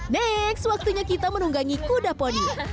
next waktunya kita menunggangi kuda podi